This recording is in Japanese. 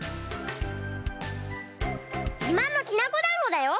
「じまんのきなこだんごだよ！」。